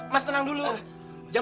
mas bapak saat ini enak kerjain